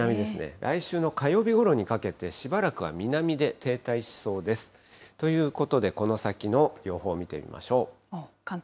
来週の火曜日ごろにかけて、しばらくは南で停滞しそうです。ということで、この先の予報見てみましょう。